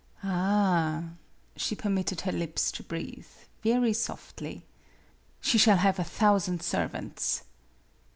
"Ah!" she permitted her lips to breathe very softly. "She shall have a thousand servants."